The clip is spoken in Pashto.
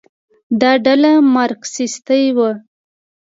دا ډله مارکسیستي وه.